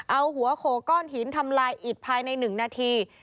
เอาหัวโขก้อนหินทำลายอีกภายใน๑นาที